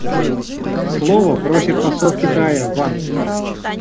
Слова просит посол Китая Ван.